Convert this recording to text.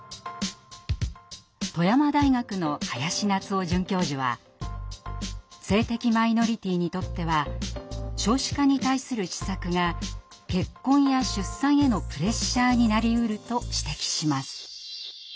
富山大学の林夏生准教授は性的マイノリティにとっては少子化に対する施策が「結婚」や「出産」へのプレッシャーになりうると指摘します。